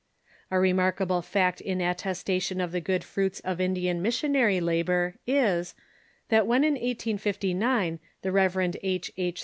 A remarkable fact in attestation of the good fruits of Indian missionary labor is, that when in 1859 the Rev. H. H.